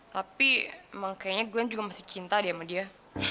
tapi emang kayaknya gue juga masih cinta dia sama dia